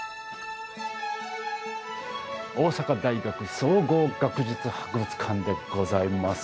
大阪大学総合学術博物館でございます。